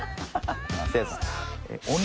せいやさん。